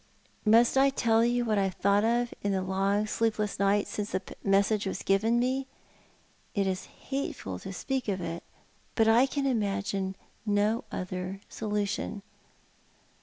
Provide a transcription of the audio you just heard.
Must I tell you what I have thought of in the long sleepless nights since that message was given me? It is hateful to speak of it, but I can imagine no other solution.